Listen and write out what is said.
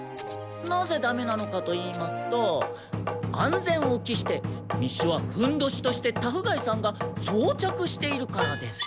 なぜダメなのかと言いますと安全を期して密書はふんどしとして田府甲斐さんがそう着しているからです。